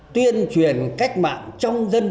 tuyên truyền cách mạng trong dân chủ